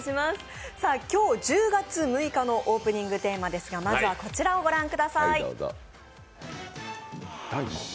今日１０月６日のオープニングテーマですがまずはこちらをご覧ください。